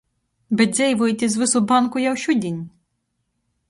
Bet dzeivojit iz vysu banku jau šudiņ!